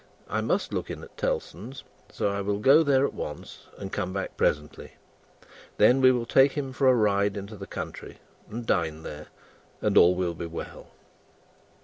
I must look in at Tellson's; so I will go there at once and come back presently. Then, we will take him a ride into the country, and dine there, and all will be well."